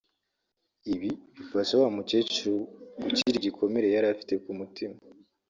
ibi bifasha wa mukecuru gukira igikomere yari afite ku mutima